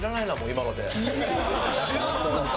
今ので。